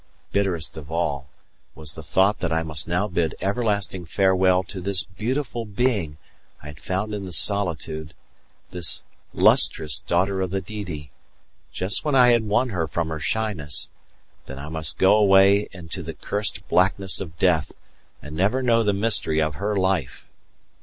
Bitterest of all was the thought that I must now bid everlasting farewell to this beautiful being I had found in the solitude this lustrous daughter of the Didi just when I had won her from her shyness that I must go away into the cursed blackness of death and never know the mystery of her life!